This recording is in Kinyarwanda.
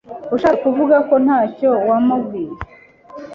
Ushatse kuvuga ko ntacyo wamubwiye?